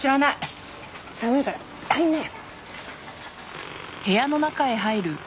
寒いから入りなよ。